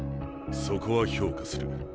そこは評価する。